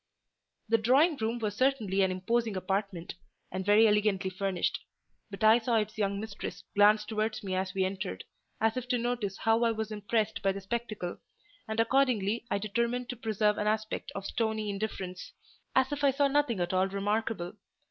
The drawing room was certainly an imposing apartment, and very elegantly furnished; but I saw its young mistress glance towards me as we entered, as if to notice how I was impressed by the spectacle, and accordingly I determined to preserve an aspect of stony indifference, as if I saw nothing at all remarkable.